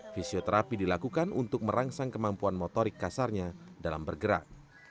fisioterapi dilakukan untuk merangsang kemampuan motorik kasarnya dalam bergerak